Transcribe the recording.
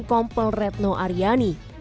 kompel retno aryani